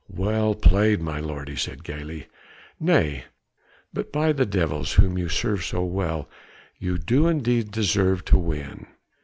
"Well played, my lord!" he said gaily, "nay! but by the devils whom you serve so well, you do indeed deserve to win."